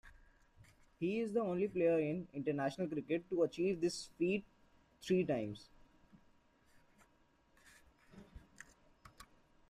He is the only player in international Cricket to achieve this feat three times.